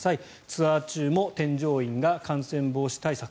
ツアー中も添乗員が感染防止対策